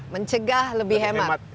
mencegah lebih hemat